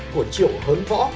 của triệu hớn võ